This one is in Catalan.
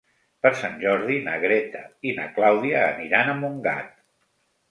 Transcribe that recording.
Per Sant Jordi na Greta i na Clàudia aniran a Montgat.